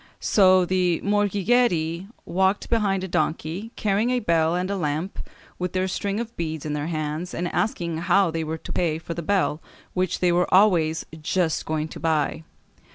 So the morghigeri walked behind a donkey, carrying a bell and a lamp, with their string of beads in their hands, and asking how they were to pay for the bell, which they were always "just going to buy."